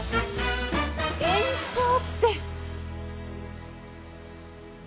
延長って！